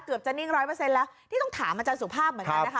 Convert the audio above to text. จะนิ่งร้อยเปอร์เซ็นต์แล้วนี่ต้องถามอาจารย์สุภาพเหมือนกันนะคะ